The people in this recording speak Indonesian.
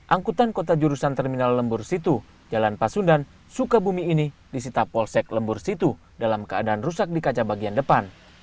angkutan kota jurusan terminal lembur situ jalan pasundan sukabumi ini disita polsek lembur situ dalam keadaan rusak di kaca bagian depan